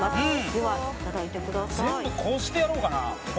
全部こうしてやろうかな。